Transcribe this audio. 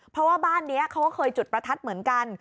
เพราะว่าบ้านนี้เขาก็เคยจุดประทัดเหมือนกัน